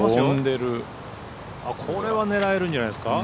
これは狙えるんじゃないですか。